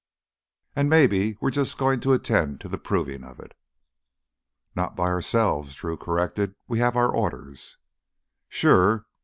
An' maybe we're jus' goin' to attend to th' provin' of it!" "Not by ourselves," Drew corrected. "We have our orders." "Sure.